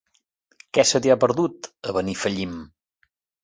Què se t'hi ha perdut, a Benifallim?